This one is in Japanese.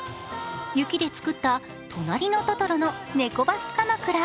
雪で作った「となりのトトロ」のネコバスかまくら。